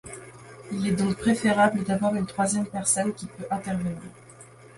Il est donc préférable d’avoir une troisième personne qui peut intervenir.